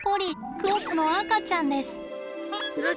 クオッカの赤ちゃんです。